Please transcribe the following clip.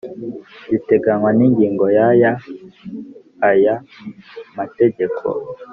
Ibiteganywa n ingingo ya y aya mategko